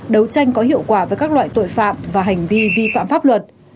đấu tranh có hiệu quả với các loại tội phạm và hành vi vi phạm pháp luật